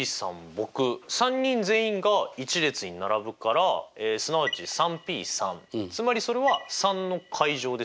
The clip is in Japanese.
僕３人全員が１列に並ぶからすなわち３Ｐ３つまりそれは３！ですよね。